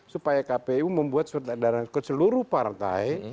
supaya kpu membuat surat edaran ke seluruh partai